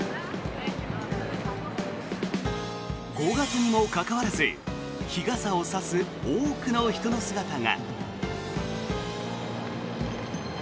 ５月にもかかわらず日傘を差す多くの人の姿が。